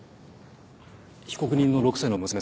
被告人の６歳の娘さん